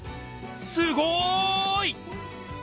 すごい！